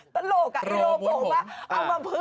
ตลกอ่ะเอามาเพื่อ